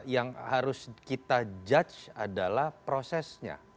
yang harus kita judge adalah prosesnya